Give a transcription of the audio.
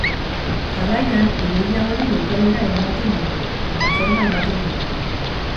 Jarraian, ideia hori lokalera eramaten dugu, eta forma ematen diogu.